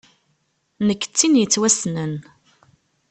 Nekk d tin yettwassnen.